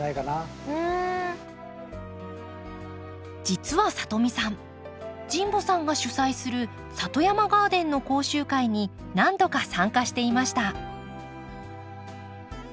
実はさとみさん神保さんが主宰する里山ガーデンの講習会に何度か参加していました。